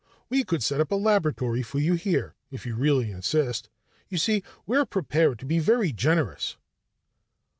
We could set up a laboratory for you here, if you really insist. You see, we're prepared to be very generous."